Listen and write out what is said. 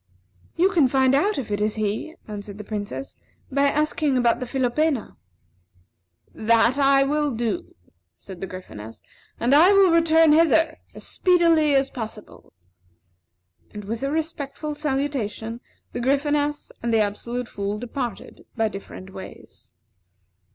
"You can find out if it is he," answered the Princess, "by asking about the philopena." "That will I do," said the Gryphoness, "and I will return hither as speedily as possible." And, with a respectful salutation, the Gryphoness and the Absolute Fool departed by different ways.